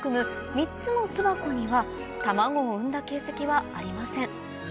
３つの巣箱には卵を産んだ形跡はありません